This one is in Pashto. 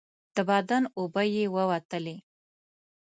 د بدن اوبه یې ووتلې.